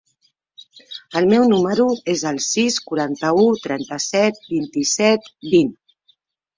El meu número es el sis, quaranta-u, trenta-set, vint-i-set, vint.